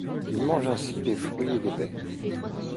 Ils mangent ainsi des fruits et des baies.